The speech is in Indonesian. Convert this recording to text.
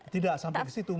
tidak sampai ke situ